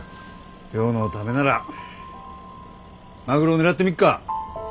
亮のためならマグロ狙ってみっか？